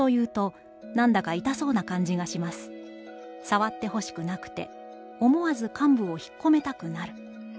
さわってほしくなくて、思わず患部を引っ込めたくなる。